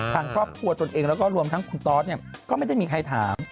ทางครอบครัวตนเองแล้วก็รวมทั้งคุณตอสเนี่ยก็ไม่ได้มีใครถาม